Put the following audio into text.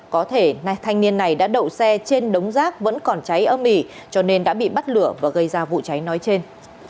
có thể thanh niên này đã đậu xe trên đống rác vẫn còn cháy ở mỹ cho nên đã bị bắt lửa và gây ra vụ cháy nói trên